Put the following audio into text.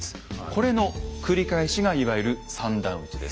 これの繰り返しがいわゆる「三段撃ち」です。